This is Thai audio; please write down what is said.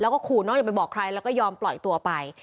ก็ขูน้องไหนไปบอกใครก็ยอมปล่อยตัวไป